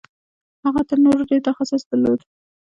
هغه تر نورو ډېر تخصص درلود.